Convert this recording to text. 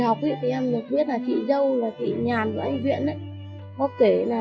và bà nguyễn thị xính đã bảo rằng